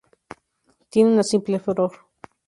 Tiene una simple flor.